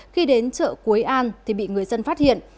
khi đến chợ quế an thì bị người dân phát hiện